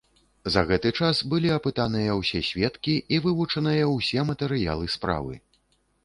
За гэты час былі апытаныя ўсе сведкі і вывучаныя ўсе матэрыялы справы.